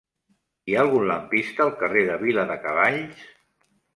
Hi ha algun lampista al carrer de Viladecavalls?